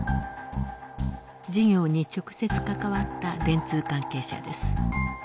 事業に直接関わった電通関係者です。